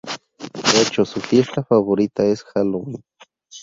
De hecho su fiesta favorita es Halloween.